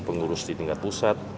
pengurus di tingkat pusat